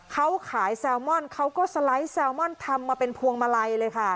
เขาขายแซลมอนเขาก็สไลด์แซลมอนทำมาเป็นพวงมาลัยเลยค่ะ